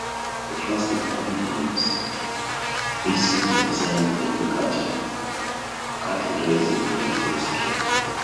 The first inhabitants busied themselves with agriculture, cattle raising and forestry.